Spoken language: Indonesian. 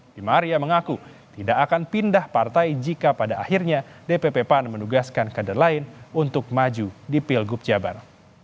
bima arya mengaku tidak akan pindah partai jika pada akhirnya dpp pan menugaskan kader lain untuk maju di pilgub jabar